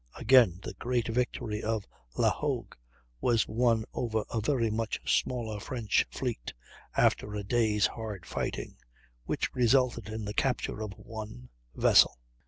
Again, the great victory of La Hogue was won over a very much smaller French fleet, after a day's hard fighting, which resulted in the capture of one vessel!